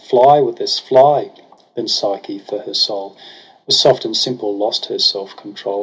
Fly with us, fly !' Then Psyche, for her soul Was soft and simpk, lost her self control.